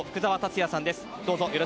福澤達哉さんです。